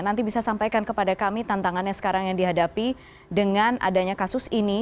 nanti bisa sampaikan kepada kami tantangannya sekarang yang dihadapi dengan adanya kasus ini